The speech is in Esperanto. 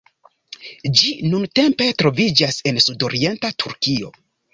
Ĝi nuntempe troviĝas en sudorienta Turkio.